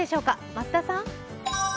増田さん。